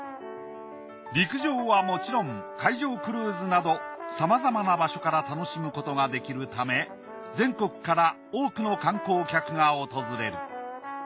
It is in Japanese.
陸上はもちろん海上クルーズなどさまざまな場所から楽しむことができるため全国から多くの観光客が訪れる。